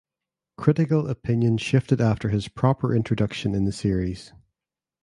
Critical opinion shifted after his proper introduction in the series.